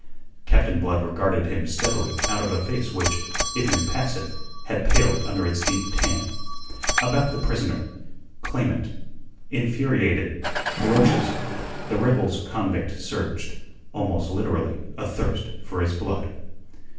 Captain Blood regarded him steadily out of a face which, if impassive, had paled under its deep tan. About the prisoner, clamant, infuriated, ferocious, the rebels convict surged, almost literally "athirst for his blood."